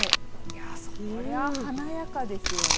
それは華やかですよね。